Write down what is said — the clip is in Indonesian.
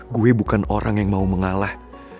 gue bukan orang yang mau mengalah